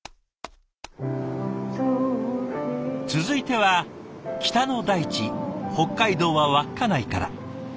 続いては北の大地北海道は稚内から。